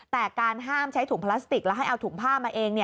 แต่การห้ามใช้ถุงพลาสติกแล้วให้เอาถุงผ้ามาเอง